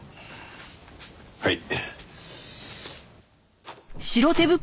はい。